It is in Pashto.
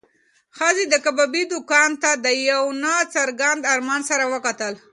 ښځې د کبابي دوکان ته د یو نا څرګند ارمان سره وکتل.